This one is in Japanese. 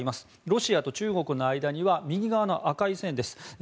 ロシアと中国の間には右側の赤い線です。